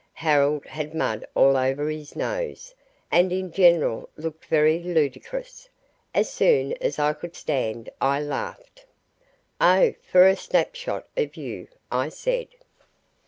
Harold had mud all over his nose, and in general looked very ludicrous. As soon as I could stand I laughed. "Oh, for a snapshot of you!" I said.